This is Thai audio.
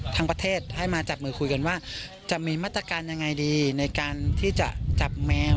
ทั้งประเทศให้มาจับมือคุยกันว่าจะมีมาตรการยังไงดีในการที่จะจับแมว